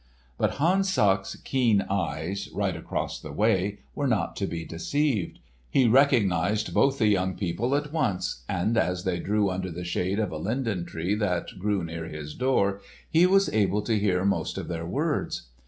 But Hans Sachs' keen eyes, right across the way, were not to be deceived. He recognised both the young people at once; and as they drew under the shade of a linden tree that grew near his door, he was able to hear most of their words.